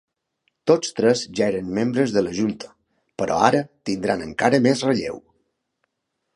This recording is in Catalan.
Tots tres ja eren membres de la junta, però ara tindran encara més relleu.